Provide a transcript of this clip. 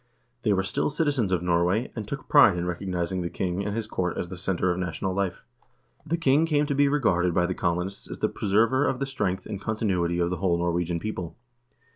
They were still citizens of Norway, and took pride in recognizing the king and his court as the center of national life. The king came to be regarded by the colonists as the preserver of the strength and continuity of the whole Norwegian people.